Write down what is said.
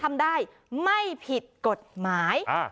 ทำได้ไม่ผิดกฎหมาย